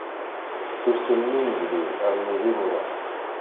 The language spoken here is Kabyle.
D ussan n unebdu rnu d imuras.